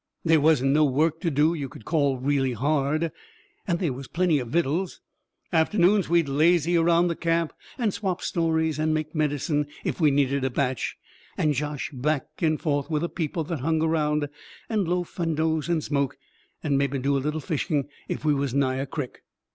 They wasn't no work to do you could call really hard, and they was plenty of vittles. Afternoons we'd lazy around the camp and swap stories and make medicine if we needed a batch, and josh back and forth with the people that hung around, and loaf and doze and smoke; or mebby do a little fishing if we was nigh a crick.